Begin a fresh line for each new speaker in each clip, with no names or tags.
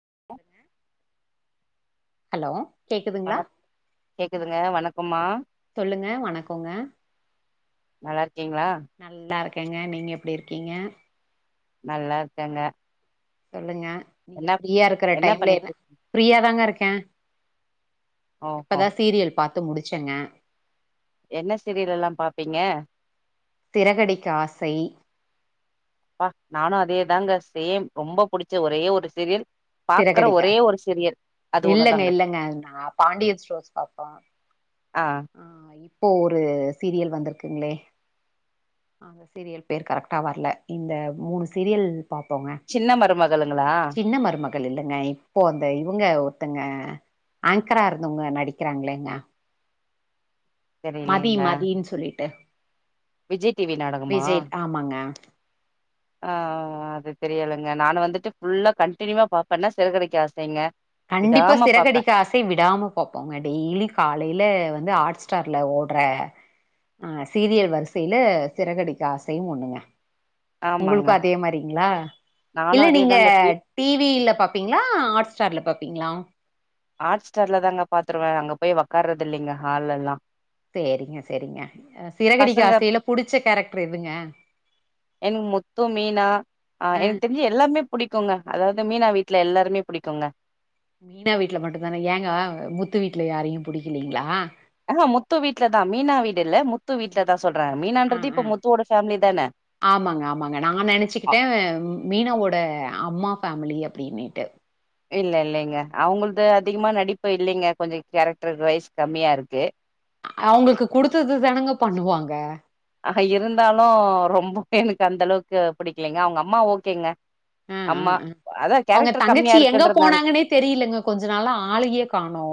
[inaudible]
Hello கேக்குதுங்களா
வணக் கேக்குதுங்க வணக் உமா
சொல்லுங்க வணக்கொங்க
நல்ல கிங்ளா
கேங்க நீங்க எப்டி இருக்கீங்க
நல்லா இருக்கேங்க
சொல்லுங்க நீங்க
என்ன
ஃப்ரீயா இருக்கிற டைம்ல
பண்ணிட்டு
என்ன
இருக்
ஃப்ரீயா தாங்க இருக் ஏ
ஓஹோ
இப்பதான் சீரியல் பாத் து முடிச்சங்க
என்ன சீரியல் எல்லா பாப்பீங்க
திரகடிக்க ஆசை
ப்பா நானு அதேதாங்க சேம் ரொம்ப புடிச்ச ஒரே ஒரு சீரியல் பாக்குற
சிறகடிக்க
ஒரே ஒரு சீரியல் அது
இல்லங்க
ஒண்ணுதாங்க
இல்லங்க நா பாண்டியன் ஸ்டோர்ஸ் பாப்போ
ஆ
இப்போ ஒரு சீரியல் வந்திருக்குங்களே அந்த சீரியல் பேர் கரெக்டா வரல இந்த மூணு சீரியல் பாப்போங்க
சின்ன மருமகள்களா
கள் இல்லங்க இப்போ அந்த இவங்க ஒருத்தங்க ஆங்கரா இருந்தவங்க நடிக்கிறாங்களேங்க மதி
தெரியலங்க
மதின் சொல்லிட்டு
விஜய் டிவி நாடகமா
விஜய் ஆமாங்க
ஆ அது தெரியலங்க நா வந்துட்டு ஃபுல்லா கண்டினுவா பாப்பேன்னா சிறகடிக்க ஆசைங்க
கண்டிப்பா
விடாம பாப்பே
சிறகடிக்க ஆசை விடாம பாப்போங்க டெய்லி காலையில வ ந்து ஹாட் ஸ்டார்ல ஓடுற அ சீரியல் வரிசையில சிறகடிக்கு ஆசையு ஒண்ணுங்க
ஆமாங்க
உங்களுக்கு அதே மாரிங்களா
நானு
இல்ல நீங்க
அதேதாங்க டி
டிவில பாப்பீங்களா ஹாட்ஸ்டார்ல பாப்பீங்களா
ஆட் ஸ்டார்ல தாங்க பாத்துருவே அங்க போய் உட்காறது இல்லைங்க ஹால்ல்லா
செரிங்க செரிங்க
பசங்க
எதுங்க?
என்க் முத்து மீனா ஆ
அ
எனக்கு தெரிஞ்சு எல்லாமே புடிக்குங்க அதாவது மீனா வீட்டுல எல்லாருமே புடிக்குங்க
மீனா வீட்ல மட்டு தானே ஏங்க முத்து வீட்ல யாரையு புடிக்கலிங்களா
அஹ முத்து வீட்லதா மீனா வீடுல்ல முத்து வீட்லதா சொல்ற
அ
மீனான்றது
அ
இப்ப முத்துவோட ஃபேமிலி தானெ
ஆமாங்க ஆமாங்க. நா
அ
நெனச்சுக்கிட்டே மீனாவோட அம்மா ஃபேமிலி அப்டின்னீட்டு
இல்ல இல்லைங்க அவுங்கள்து அதிகமா நடிப்பு இல்லிங்க கொஞ்ச கேரக்டர் வைஸ் கம்மியா இருக்கு
அவுங்ளுக்கு குடுத்தது தானெங்க பண்ணுவாங்க
அஹ இருந்தாலு ரொம்ப எனக்கு அந்த அளவுக்கு பிடிக்கலிங்க அவுங்க அம்மா ஓகேங்க
ம்
அம்மா
ம் ம்
அதா
அவுங்க
கேரக்டர் கம்மியா
தங்கச்சி எங்க
இருக்குன்றதுனால
போனாங்கனே தெரியிலங்க கொஞ்ச நாளா ஆளயே காணு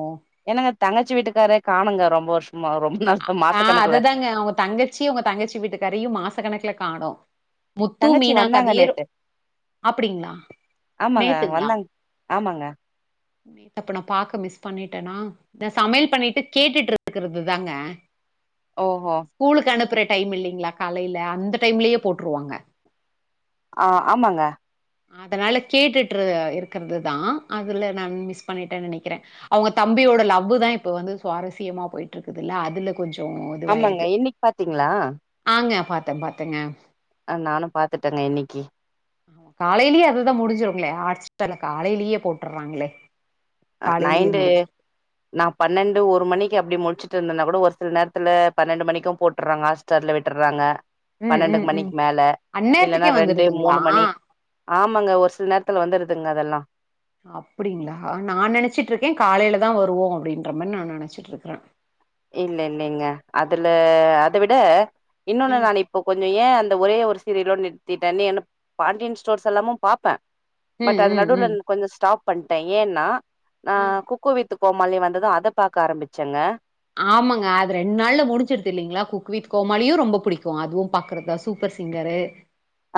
என்னங்க தங்கச்சி வீட்டுக்காரே காணுங்க ரொம்ப வர்ஷமா ரொம்ப நாள் மாச
ஆ
கணக்குல
அததாங்க அவுங்க தங்கச்சி அவுங்க தங்கச்சி வீட்டு காரையு மாசக் கணக்குல காணு முத்து
தங்கச்சி
மீனா
வந்தாங்க
கதீரு
நேத்து
அப்பிடிங்ளா
ஆமாங்க
நேத்துங்ளா
வந்தாங்க ஆமாங்க
அப்ப நா பாக்க மிஸ் பண்ணிட்டெனா நா சமையல் பண்ணிட்டு கேட்டுட்ருக்குறது தாங்க
ஓஹோ
ஸ்கூலுக்கு அனுப்புற டைம் இல்லிங்ளா காலைல அந்த டைம்லயே போட்ருவாங்க
ஆ ஆமாங்க
அதனால கேட்டுட்ரு இருக்குறதுதா அதுல நான் மிஸ் பண்ணிட்டே நெனக்கிறே அவுங்க தம்பியோட லவ்வு தா இப்ப வந்து சுவாரஸ்யமா போயிட்ருக்குதுல்ல அதுல கொஞ்சோ
ஆமாங்க
இதுவாயிடுது.
இன்னைக் பாத்தீங்ளா
பாத்தே பாத்தேங்க
அ நானு பாத்துட்டெங்க இன்னக்கி
ஹ காலைலயே அதுதா முடுஞ்சுருங்ளே ஹாட்ஸ்டார்ல காலைலெயே போட்டுர்றாங்களே
நைண்டு நா பன்னெண்டு ஒரு மணி க்கி அப்டி முழுச்சுட்ருந்தனா கூட ஒரு சில நேரத்துல பன்னெண்டு மணிக்கு போட்டுர்றாங்க ஹாட்ஸ்டார்ல விட்டுர்றாங்க
ம்
பன்னெண்டு
ம் ம்
மணிக் மேல இல்லன்னா
அந்நேரத்துக்கே
ரெண்டு
வந்துருதுங்களா?
மூணு மணி ஆமாங்க ஒரு சில நேரத்துல வந்துரு துங்க அதெல்லா
அப்புடிங்ளா நா நெனச்சுட்ருக்கே காலைலதா வருவொ அப்டின்ற மா நா நெனச்சுட்ருக்குறே
இல்லஇல்லெங்க அதுல அத விட இன்னொன்னு
ம்
நான் இப்ப கொஞ்ச ஏ அந்த ஒரே ஒரு சீரியலோட் நிறத்திட்டன் நி என்ன பாண்டியன் ஸ்டோர்ஸ் எல்லாமு பாப்பே
ம்
பட் அது
ம்
நடுவ்லன் கொஞ்ச ஸ்டாப் பண்ட்டே ஏன்னா ஆ
ம்.
குக்கு வித் து கோமாளி வந்தது அத பாக்க ஆரம்பிச்செங்க
ஆமாங்க அது ரெண் நாள்ல முடுஞ்சிருது இல்லிங்ளா குக்வித் கோமாளியு ரொம்ப புடிக்கு அதுவு பாக்றதுதா சூப்பர் சிங்கரு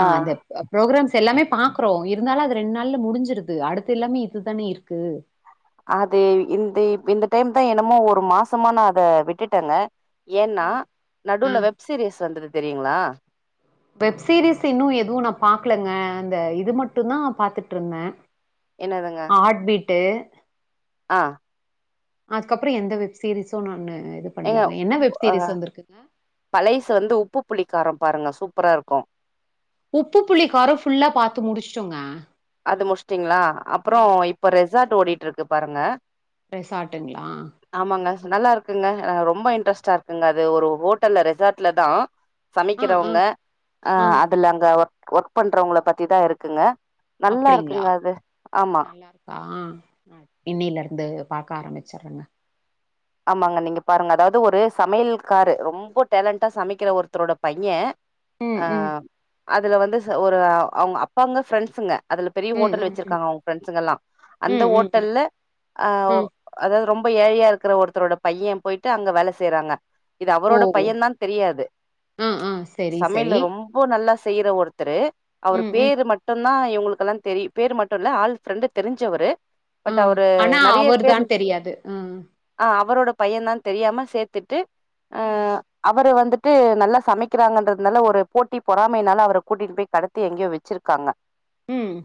ஆ அது ப்ரோகிராம்ஸ் ஸ் எல்லாமே பாக்குறோ இருந்தாலு அது ரெண் நாள் முடுஞ்சுருது அடுத்தெல்லாமே இதுதானெ இருக்கு
அது இந்த இப் இந்த டைம் தா என்னமோ ஒரு மாசமா நா அத விட்டுட்டேங்க
அ,
ஏன்னா
அ.
நடுல்ல வெப் சீரீஸ் வந்துரு தெரியுங்களா
வெப்சீரிஸ் இன்னு எதுவு நா பாக்கலங்க இந்த இது மட்டுந்தா பாத்துட்ருந்தே
என்னதுங்க
ட்டு
ஆ
அதுக்கப்றொ எந்த வெப் சீரிஸூ நானு இது
ஏங்க
பண்ணலங்க. என்ன வெப்
ஆ
சீரிஸ் வந்திருக்குங்க?
பளைஸு வந்து உப்பு புளி காரோ பாருங்க சூப்பரா இருக்கு
உப்பு புளி காரோ ஃபுல்லா பாத்து முடிஷ்ட்டோங்க
அது முஷ்ட்டிங்களா அப்புறொ இப்ப ரெஸ் சாட் ஓடிட்ருக்கு பாருங்க
ரெசார்ட்டுங்களா
ஆமாங்க நல்லா இருக்குங்க ஆ ரொம்ப இன்ட்ரெஸ்டா இருக்குங்க அது ஒரு ஹோட்டல்ல ரெசார்ட்ல தா
ஆ, ஆ,
சமைக்கறவங்க ஆ அதுல அங்க ஒர் ஒர்க் பண்றவங்கள பத்திதா இருக்குங்க நல்லா
அப்படிங்களா
இருக்குங்க அது ஆமா
நல்லா இருக்கா இன்னீலருந்து பாக்க ஆரம்பிச்சறங்க
ஆமாங்க நீங்க பாருங்க அதாவது ஒரு சமையல்காரு ரொம்ப டேலண்ட்டா சமைக்குற ஒருத்தரோட பைய்ய
ம்
ஆ
ம்
அதுல வந்து ச ஒரு அவுங்க அப்பாங்க ஃப்ரெண்ட்ஸுங்க அதுல பெரிய
ம்
ஹோட்டல்
ம் ம்
வெச்சிருக்காங்க அவுங்க ப்ரண்ஸ்ங்கெல்லா அந்த
ம் ம் ம்
ஹோட்டல்ல ஆவ்
ம்
அதாவது ரொம்ப ம்ப ஏழையா இருக்கற ஒருத் த்தரோட பைய்ய போயிட்டு அங்க வேல செய்றாங்க இது
ஓ
அவரோட பையந்தான்னு தெரியாது
ஆ ஆ செரி
சமையல்ல
செரி
ரொம்ப நல்லா ஸ் செய்யிற ஒரு த்தரு அவரு
ம் ம்
பேரு மட்டுந் தா இவுங்களுக்கெல்லா தெரியு பேரு மட்டு இல்ல ஆள் ப்ரெண்டு் தெரிஞ்சவரு பட்
ம்
அவரு
ஆனா
நெறைய பேர்
அவர்தான்னு தெரியாது ம்
ஆ அவரோட பையந்தான்னு தெரியாம சேத்துட்டு ஆ அவரு வந் ந்துட்டு நல்லா சமைக்கிறாங்கன்றதுனால ஒரு போட்டி பொறாமையினால அவர கூட்டிட்டு போய் கடத்தி எங்யோ வெச்சிருக்காங்க
ம்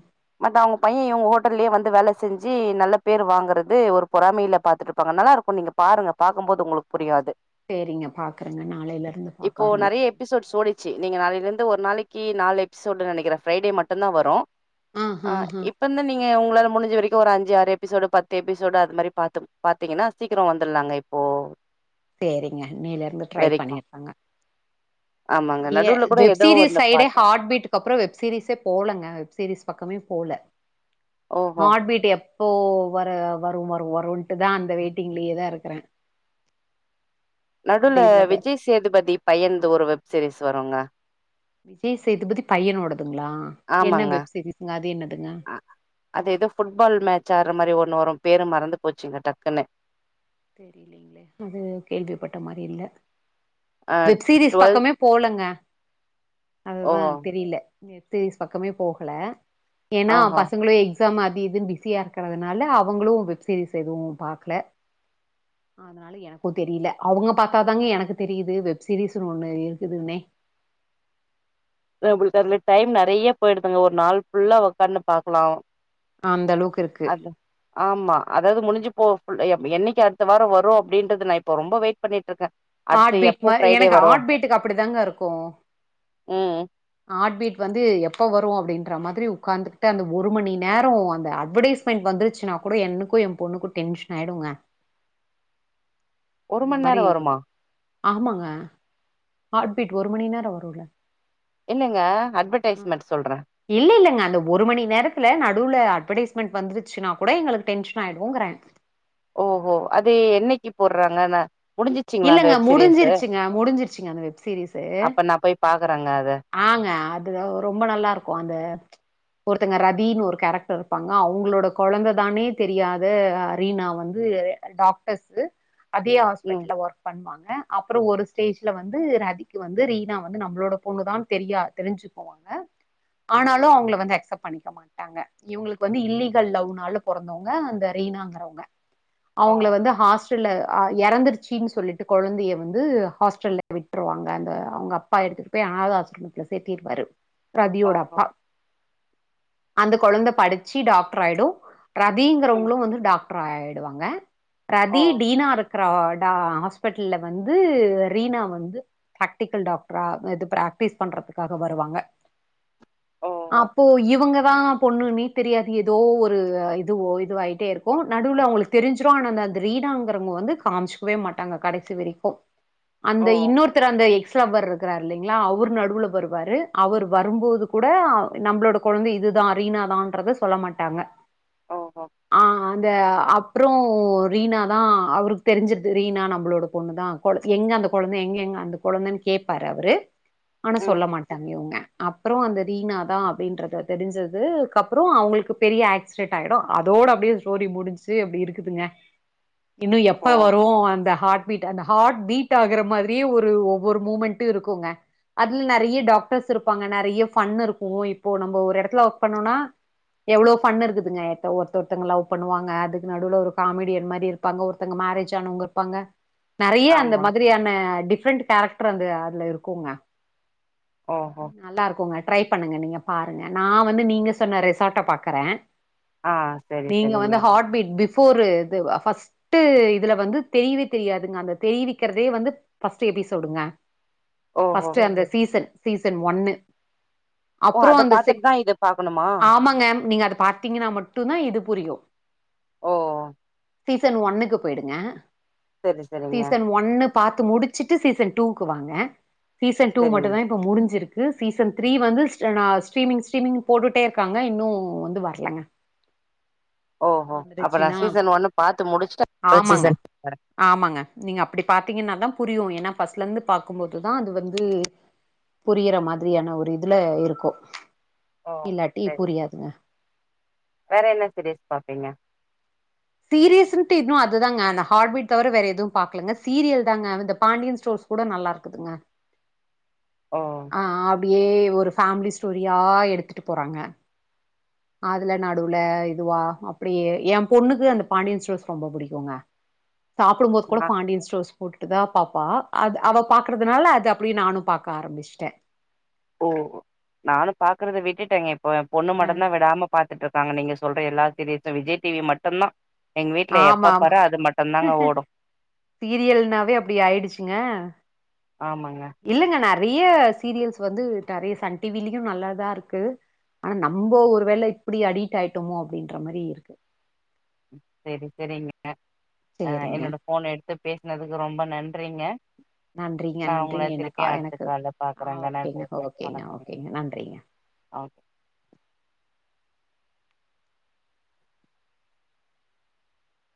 தா அவுங்க பைய இவுங்க ஹோட்டல்லயே வந்து வேல செஞ்சு நல்ல பேர் வாங்குறது ஒரு பொறமையில பாத்துட்ருப்பாங்க நல்லா இருக் க்கு நீங்க பாருங்க பாக்கும் போது உங்களுக்கு புரியு அது
சேரிங்க பாக்குறங்க நாளைலருந்து பாக்க ஆரம்பிக்
ச்சி நீங்க நாளைல்லருந்து ஒரு நாளைக்கி நாலு எபிசோடு நெனைக்கற ஃப்ரைடே மட்டுந்தா வரு
ஆ
அ
ஆ ஆ
இப்பந்து நீங் ஏ ஒங்களால முடிஞ்ச வரைக்கு ஒரு அஞ்சு ஆறு எபிசோடு பத்து எபிசோடு அது மாரி பாத்து பாத்தீங்கன்னா சீக்கிறொ வந்துர்லாங்க இப்போ
சேரிங்க இன்னைலருந்து ட்ரை
வரைக்கு
பண்ணிற்றங்க
ஆமாங்க.
ய
நடுவுல கூட ஏதோ
வெப்சீரிஸ்
ஒண்ணு
சைடே
பாத்தேன்.
ஹாட் பீட்டுக்கு அப்புறொ வெப்சீரிஸே போலங்க வெப் சீரிஸ் பக்கமே போல
ஓஹோ!
ஹாட் பீட் எப் ப்போ வர வரும் வரு வருன்ட்டு தா அந்த வெயிட்டிங்லயேதா இருக்குறே
நடுல விஜய் சேதுபதி பையன்து ஒரு வெப் சீரிஸ் த்து வருங்க
விஜய் சேதுபதி பையனோடது
ஆமாங்க
என்னதுங்க
அ அது எதோ புட்பால் மேட்ச் ஆட்ற மாரி ஒண்ணு வரு பேரு மறந்து போச்சுங்க டக்குன்னு
தெரிலிங்களே அது கேள்விப்பட்ட மாரி இல்ல
அ
வெப் சீரிஸ் பக்கமே போலங்க
ஓ!
அதுதா தெரில நெத்தீஸ் பக்கமே போகல ஏன்னா
ஆஹா.
பசங்களு எக்ஸ் எக்ஸாம் அது இதுன்னு பிஸியா இருக்கறதுனால அவங்களு வெப்சீரிஸ் எதுவு பாக்கல அதனால எனக்கு தெரில அவங்க பாத்தாங்க எனக்கு தெரிது வெப் சீரிஸ்ன்னு ஒன்னு இருக்குதுன்னே
ல்ல ஒங்களுக்கு அதுல டைம் நெறைய்ய போயிடுதுங்க ஒரு நாள் புஃல்லா ஒக்காந்து பாக்கலா
அந்த அளவுக்கு இருக்கு
அது ஆம்மா அதாவது முடிஞ்சுப் ஓ புஃள்ளைய என்னைக்கு அடுத்த வாரோ வரு அப்டின்றது நா இப்ப ரொம்ப வெயிட் பண்ணிட்ருக்கே
ஹாட் பீட் மாரி எனக்கு ஹாட் பீட்டுக்கு அப்படி தாங்க இருக்கு
ம்
ஹாட் பீட் வந்து எப்ப வரு அப்டின்ற மாதிரி உக்காந்துகிட்டு அந்த ஒரு மணி நேரோ அந்த அட்வடைஸ்மெண்ட் வந்துருச்சுன்னாக் கூட எனக்கு எ பொண்ணுக்கு டென்ஷன் ஆயிடுங்க
ஒரு
அந்த
மணி
மாரி
நேரோ வருமா
இருக்கு ஆமாங்க ஹாட்பீட் ஒரு மணி நேரோ வருல்ல
என்னங்க அட்வடைஸ்மெண்ட் சொல்றே
இல்ல இல்லங்க அந்த ஒரு மணி நேரத்துல நடுல அட்வடைஸ்மெண்ட் வந்துருச்சுன்னாக் கூட எங்களுக்கு டென்ஷன் ஆயிடுங்கற
ஓஹோ அது என்னைக்கு போற்றாங்கன்ன
இல்லங்க முடிஞ்சிருச்சுங்க முடிஞ்சிருச்சுங்க அந்த வெப் சீரியஸ்சு
அப்ப நான் போய் பாக்குறேங்க அத.
ஆங்க அதுத ரொம்ப நல்லா இருக்கு அந்த ஒருத்தங்க ரதின்னு ஒரு கேரக்டர் இருப்பாங்க அவங்களோட கொழந்த தான்னே தெரியாத ரீனா வந்து டாக்டர்ஸ்ஸு அதே
ம்.
ல ஒர்க் பண்வாங் அப்புறம் ஒரு ஸ்டேஜ்ல வந்து ரதிக்கு வந்து ரீனா வந்து நம்மளோட பொண்ணுதான் தெரியா தெரிஞ்சு போவாங்க ஆனாலும் அவங்கள வந்து அக்செப்ட் பண்ணிக்க மாட்டாங்க இவங்களுக்கு வந்து இல்லீகல் லவ்னால பிறந்தவங்க அந்த ரீனாங்கிறவங்க
ஓ!
அவங்கள வந்து ஹாஸ் ட்ல இறந்துருச்சு சின் சொல்லிட்டு குழந்தையை வந்து ஹாஸ்டல விட்ருவாங்க அந்த அவங்க அப்பா எடுத்துட்டு போய் அனாத ஆசிரமத்தில சேத்திருப்பாரு
ஓஹோ!
ரதியோடப்பா அந்த குழந்தை படிச்சு டாக்டர் ஆயிடும்
ம்.
ரதிங்கிறவங்களும் வந்து டாக்டர் ட் ஆயிடுவாங்க
ஓ!
ரதி டீனா ர்ராட் த ஹாஸ்பிட்டல்ல வந்து ரீனா வந்து பிராக்டிக்கல் டாக்டரா இது பிராக்டிஸ் பண்றதுக்காக வருவாங்க
ஓஹோ!
அப்போ இவுங்க மா பொண்ணுண்ணே தெரியாது ஏதோ ஒரு இதுவோ இதுவாயிட்டே இருக்கும் நடுவுல அவங்களுக்கு தெரிஞ்சுரும் ஆனா அந்த அந்த ரீனாங்கிறவங்க வந்து காமிச்சு வே மாட்டாங்க கடைசி வரிக்கும் அந்த
ஓ!
இன்னொருத்தர் அந்த எக் ஸ்லவர் இருக்கிறாரு இல்லைங்களா அவரு நடுவுல வருவாரு அவர் வரும்போது கூட நம்மளோட குழந்தை இதுதான் ரீனா தான்ன்றத சொல்ல மாட்டாங்க
ஓஹோ!
ஆஹ் அந்த அப் அப்புறம் ரீனா தான் அவருக்கு தெரிஞ்சுட்டு ரீனா நம்பளோட பொண்ணு தான் குழ எங்க அந்த குழந்தை எங்க எங்க அந்த குழந்தைன்னு கேப்பாரு அவரு ஆனா சொல்ல
ம்.
மாட்டாங்க இவங்க அப்புறம் அந்த ரீனா தான் அப்படின்றத தெரிஞ்சது கப்புறம் அவங்களுக்கு பெரிய ஆக்சிடெட் ஆயிடும் அதோட அப்படியே ஸ்டோரி முடிஞ்சு அப்படி இருக்குதுங்க இன்னும் எப்ப
ஓ!
வ ப்ரோம் அந்த ஹார்ட் பீட் அந்த ஹார்ட் பீட் ஆகுற மாதிரியே ஒரு ஒவ்வொரு மூமெண்ட இருக்கும்ங்க அதுல நறைய டாக்டர்ஸ் இருப்பாங்க நறைய ஃபன் இருக்கும் இப்போ நம்ம ஒரு இடத்துல ஒர்க் பண்ணனா எவ்ளவு ஃபன் இருக்குதுங்க ஒரு ஒருத்தங்க லவ் பண்ணுவாங்க அதுக்கு நடுல ஒரு காமெடியன் மாதிரி இருப்பாங்க ஒருத்தங்க மேரேஜ் னும் அவங்க இருப்பாங்க நறைய அந்த
ஆமா.
மாதிரியான டிஃப்ரெண்ட் கேரக்டரும் வந்து அதுல இருக்குங்க
ஓஹோ!
நல்லா இருக்கும்ங்க ட்ரை பண்ணுங்க நீங்க பாருங்க நான் வந்து நீங்க சொன்ன ரெசார்ட்ட பாக்குறேன்
ஆ சரி,
நீங்க
சரிங்க.
வந்து ஹாட் பீட் பிப் போரு இதுவா ஃபஸ்ர்ட் இதுல வந்து தெரிவே தெரியாதுங்க அந்த தெரிவிக்கிறதே வந்து ஃபர்ஸ்ட் எபிசோடுங்க
ஓஹோ!
பர்ஸ்ட் அந்த சீன் சீசன் ஒன்னு
ஓ!
அப்புறம்
அத
அந்த
பாத்துட்டு தான் இத பாக்கணுமா?
ஆமாங்க நீங்க அதை பாார்த்தீங்கன்னா மட்டும் தான் இது புரியும்
ஓ
சீசன் ஒண்ணுக்கு போயிடுங்க
சரி, சரிங்க.
சீசன் ஒண்ணு பாத்து முடிச் சிட்டு சீசன் டூக்கு வாங்க சீசன் டூ
சரிங்க.
மட்டும் தான் இப்ப முடிஞ்சிருக்கு இதுசீசன் த்ரீ வந்து ஸ்டீமிங் ஸ்டீமிங் போட்டுட்டே இருக்காங்க இன்னும் வந்து வரலங்க
ஓஹோ அப்ப நான்
வந்துருச்சுன்னா
சீசன் ஒன்னு பாத்து முடிச்சுட்டேன்
ஆமாங்க ஆமாங்க நீங்க அப்படி பாத்தீங்கன்னா தான் புரியும் ஏன்னா பஸ்ட்ல இருந்து பார்க்கும்போதுதான் அது வந்து புரியற மாதிரியான ஒரு இதுல இருக்கும்
ஓ சரி ச வேற என்ன சீரியிஸ் பாப்பீங்க
சீரியஸ்ன்ட்டு இன்னும் அதுதாங்க அந்த ஹார்ட்பீட் தவிர வேற எதுவும் பாக்கலங்க சீரியல் தாங்க இந்த பாண்டியன் ஸ்டோர்ஸ் கூட நல்லா இருக்குதுங்க
ஓ
அப்படியே ஒரு ஃபேமிலி ஸ்டோரியா எடுத்துட்டு போறாங்க அதுல நடுவுல இதுவா அப்படி என் பொண்ணுக்கு அந்த பாண்டியன் ஸ்டோர் ரொம்ப புடிக்குங்க சாப்பிடும்போது
ஆ.
கூட பாண்டியன் ஸ்டோர்ஸ் பாப்பா அது அவ பாக்குறதுனால அது அப்படியே நானும் பாக்க ஆரம்பிச்சுட்டேன்
ஓ நானும் பாக்குறத விட்டுட்டேன்க பொண்ணு மட்டும் தான் விடாம பாத்துட்டு இருக்காங்க நீங்க சொல்ற எல்லா சீரியல்ஸும் விஜய் டிவி மட்டுந்தா எங்க வீட்ல
ஆமா
எப்ப
ஆமா
பாரு அது மட்டுந்தாங்க ஓடு
சீரியல்னாவே அப்படி ஆயிடுச்சுங்க
ஆமாங்க
இல்லங்க நறைய சீரியல்ஸ் வந்து நிறைய சன் டிவிலயு நல்லதா இருக்கு ஆனா நம்ப ஒரு வேளை இப்படி அடிட் ஆயிட்டோமோ அப்படின்ற மாரி இருக்கு
சரி சரிங்க ஆஹ்
சேரிங்க
என்னோட போன் எடுத்து பேசனதுக்கு ரொம்ப நன்றிங்க
நன்றிங்க
நா உங்கள
நன்றிங்க என்
திருப்பியு அடுத்த
எனக்கு
கால்ல
ஆஹ்
பாக்குறேங்க
ஓகேங்க
நன்றிங்க
ஓகேங்க
வணக்கங்க
ஓகேங்க நன்றிறிங்க
ஓகே